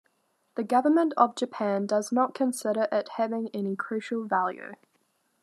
The government of Japan does not consider it having any crucial value.